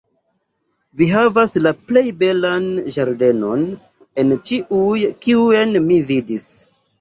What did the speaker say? "Vi havas la plej belan ĝardenon el ĉiuj, kiujn mi vidis!"